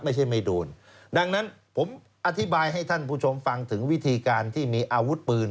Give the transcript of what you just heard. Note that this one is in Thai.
ไม่ใช่ไม่โดนดังนั้นผมอธิบายให้ท่านผู้ชมฟังถึงวิธีการที่มีอาวุธปืน